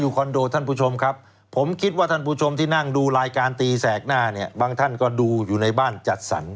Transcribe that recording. คอนโดท่านผู้ชมครับผมคิดว่าท่านผู้ชมที่นั่งดูรายการตีแสกหน้าเนี่ยบางท่านก็ดูอยู่ในบ้านจัดสรร